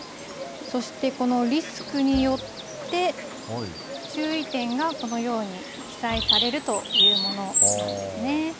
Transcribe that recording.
そしてこのリスクによって、注意点が、このように記載されるというものなんですね。